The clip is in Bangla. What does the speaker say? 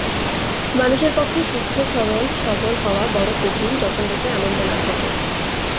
মানুষের পক্ষে সুস্থ সরল সবল হওয়া বড়ো কঠিন যখন দেশে আনন্দ না থাকে।